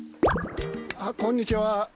あっこんにちは。